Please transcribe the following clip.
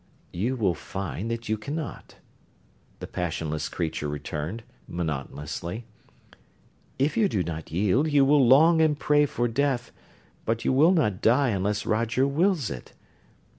"You will find that you cannot," the passionless creature returned, monotonously. "If you do not yield, you will long and pray for death, but you will not die unless Roger wills it.